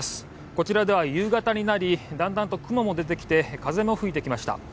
こちらでは夕方になりだんだんと雲も出てきて風も吹いてきました。